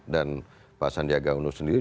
dan pak sandiaga uno sendiri